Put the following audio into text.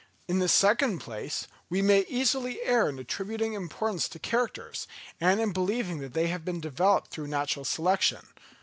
In the second place, we may easily err in attributing importance to characters, and in believing that they have been developed through natural selection.